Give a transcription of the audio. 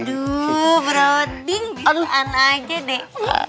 aduh broding bisuan aja deh